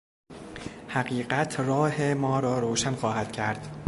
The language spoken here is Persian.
حقیقت راه ما را روشن خواهد کرد.